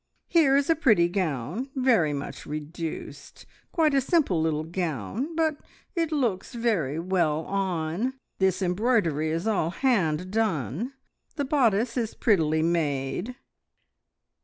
Here is a pretty gown, very much reduced. Quite a simple little gown, but it looks very well on. This embroidery is all hand done. The bodice is prettily made."